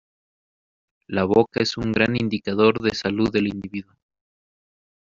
La boca es un gran indicador de la salud del individuo.